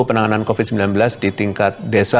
penanganan covid sembilan belas di tingkat desa